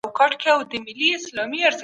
د تاریخ مطالعه زموږ ذهنونه روښانه کوي.